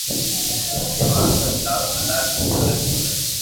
ڪونڪہ مارو سب دارو مدار اڪگ ھھي